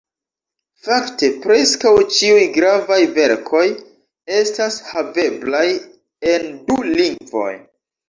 Fakte preskaŭ ĉiuj gravaj verkoj estas haveblaj en du lingvoj.